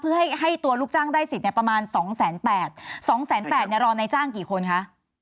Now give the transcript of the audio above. เพื่อให้ให้ตัวลูกจ้างได้สิทธิ์ประมาณสองแสนแปดสองแสนแปดเนี่ยรอนายจ้างกี่คนคะ